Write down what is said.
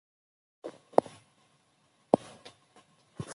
Wehmeɣ amek tettettem ayennat-a.